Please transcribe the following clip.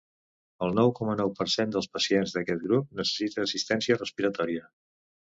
El nou coma nou per cent dels pacients d’aquest grup necessiten assistència respiratòria.